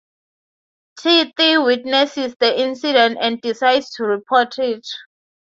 Tithi witnesses the incident and decides to report it.